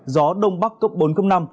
gió đông bắc cấp bốn năm